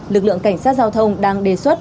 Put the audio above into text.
lực lượng cảnh sát giao thông đang đề xuất